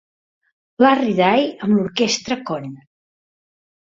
Larry Day amb l'orquestra Cond.